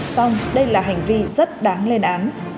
xong đây là hành vi rất đáng lên án